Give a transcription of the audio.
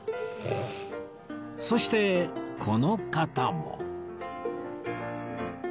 そしてこの方も